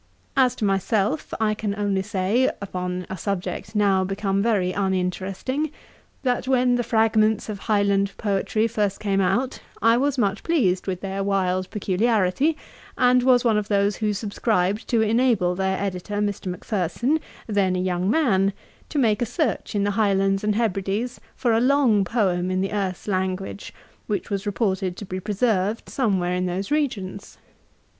As to myself, I can only say, upon a subject now become very uninteresting, that when the fragments of Highland poetry first came out, I was much pleased with their wild peculiarity, and was one of those who subscribed to enable their editor, Mr. Macpherson, then a young man, to make a search in the Highlands and Hebrides for a long poem in the Erse language, which was reported to be preserved somewhere in those regions.